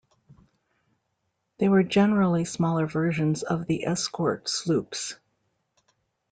They were generally smaller versions of the escort sloops.